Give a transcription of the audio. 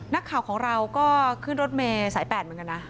นักข่าวของเราก็ขึ้นรถเมย์สาย๘เหมือนกันนะ